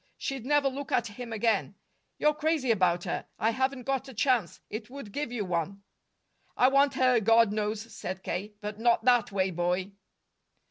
"She'd never look at him again. You're crazy about her. I haven't got a chance. It would give you one." "I want her, God knows!" said K. "But not that way, boy."